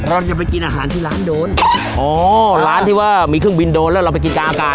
เราจะไปกินอาหารที่ร้านโดนอ๋อร้านที่ว่ามีเครื่องบินโดนแล้วเราไปกินกลางอากาศ